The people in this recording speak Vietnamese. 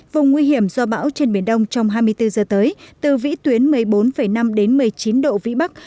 vùng nguy hiểm do bão trên biển đông trong hai mươi bốn giờ tới từ vĩ tuyến một mươi bốn năm đến một mươi chín độ vĩ bắc